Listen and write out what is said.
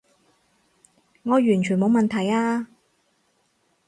我完全冇問題啊